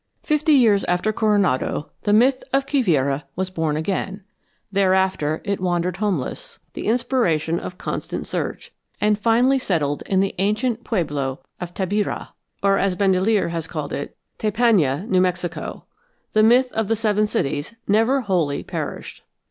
Fifty years after Coronado, the myth of Quivira was born again; thereafter it wandered homeless, the inspiration of constant search, and finally settled in the ruins of the ancient pueblo of Tabirá, or, as Bandelier has it, Teypaná, New Mexico; the myth of the seven cities never wholly perished.